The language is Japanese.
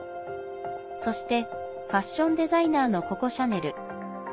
そしてファッションデザイナーのココ・シャネル。